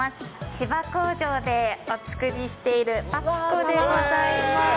千葉工場でお作りしているパピコでございます。